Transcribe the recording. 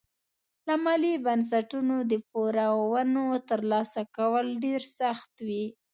له مالي بنسټونو د پورونو ترلاسه کول ډېر سخت وي.